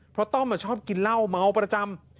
เพราะต้อมชอบกินเหล้าเมาประจำ